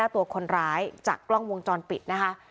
ตัวคนร้ายจากกล้องวงจรปิดนะคะ